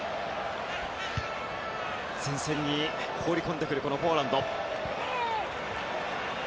前線に放り込んでくるポーランド。